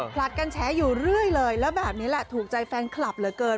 ผลัดกันแฉอยู่เรื่อยเลยแล้วแบบนี้แหละถูกใจแฟนคลับเหลือเกิน